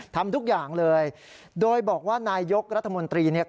ทำทุกอย่างเลยโดยบอกว่านายยกรัฐมนตรีเนี่ย